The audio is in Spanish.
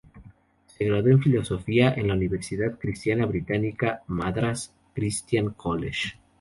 Se graduó en Filosofía en la universidad cristiana británica Madras Christian College.